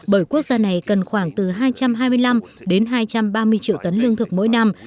bởi quốc gia này cần khoảng từ hai trăm hai mươi năm đến hai trăm ba mươi triệu tấn lương thực mỗi năm